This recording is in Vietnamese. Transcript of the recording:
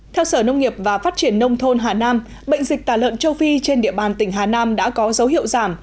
theo sở nông nghiệp và phát triển nông thôn hà nam bệnh dịch tả lợn châu phi trên địa bàn tỉnh hà nam đã có dấu hiệu giảm